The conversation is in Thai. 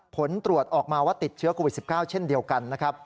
ผลตรวจออกมาว่าติดเชื้อโควิด๑๙เช่นเดียวกันนะครับ